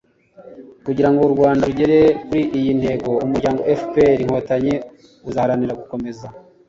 kugirango u rwanda rugere kuri iyi ntego, umuryango fpr-inkotanyi uzaharanira gukomeza